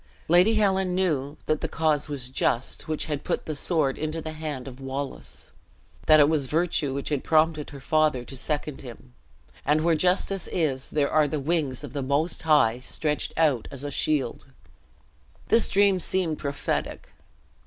Lady Helen knew that the cause was just which had put the sword into the hand of Wallace; that it was virtue which had prompted her father to second him; and where justice is there are the wings of the Most High stretched out as a shield! This dream seemed prophetic.